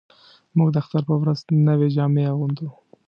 موږ د اختر په ورځ نوې جامې اغوندو